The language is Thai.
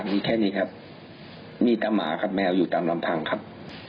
มีแค่นี้ครับมีแต่หมาครับแมวอยู่ตามลำพังครับ